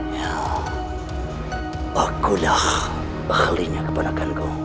ya akulah ahlinya kepanakanku